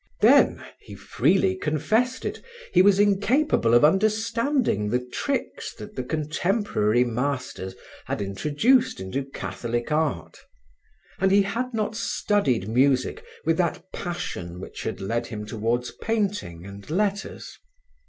Then (he freely confessed it) he was incapable of understanding the tricks that the contemporary masters had introduced into Catholic art. And he had not studied music with that passion which had led him towards painting and letters.